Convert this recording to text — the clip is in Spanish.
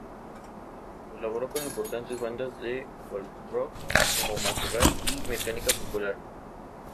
Colaboró con importantes bandas de folk rock como Matorral y Mecánica Popular.